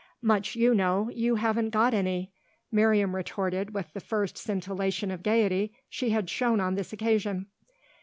"Much you know; you haven't got any!" Miriam retorted with the first scintillation of gaiety she had shown on this occasion.